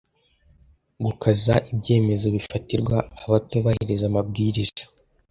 gukaza ibyemezo bifatirwa abatubahiriza amabwiriza